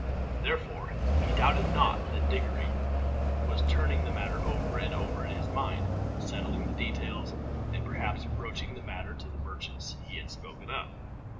Therefore he doubted not that Diggory was turning the matter over and over in his mind, settling the details, and perhaps broaching the matter to the merchants he had spoken of.